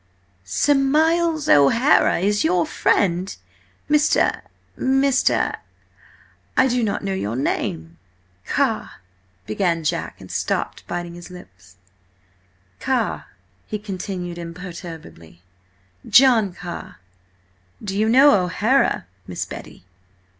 "Sir Miles O'Hara! Is he your friend, Mr.—Mr.—I do not know your name." "Car–" began Jack, and stopped, biting his lip. "Carr," he continued imperturbably, "John Carr. Do you know O'Hara, Miss Betty?"